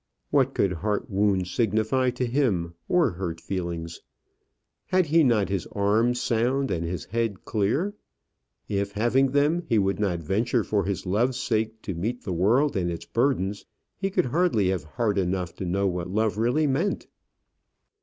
What could heart wounds signify to him, or hurt feelings? Had he not his arms sound and his head clear? If, having them, he would not venture for his love's sake to meet the world and its burdens, he could hardly have heart enough to know what love really meant.